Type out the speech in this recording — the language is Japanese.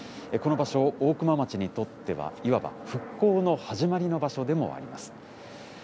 この場所、大熊町にとっては、いわば復興の始まりの場所でもあります。